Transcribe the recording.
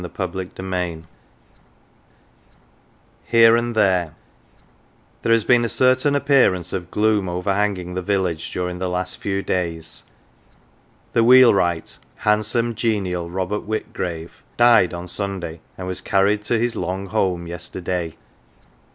207 HERE AND THERE HERE AND THERE THERE has been a certain appearance of gloom over hanging the village during the last few days : the wheelwright, handsome, genial Robert Whitgrave, died on Sunday, and was carried to his " long home " yester day.